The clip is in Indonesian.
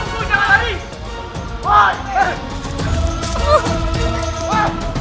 tunggu jangan lari